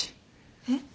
えっ？